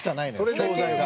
教材が。